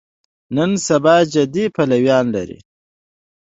نن سبا جدي پلویان لري.